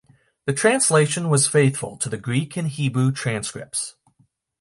The translation was faithful to the Greek and Hebrew transcripts.